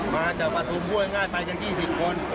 มาจากประธูมิี่ง่ายไปจน๒๐คน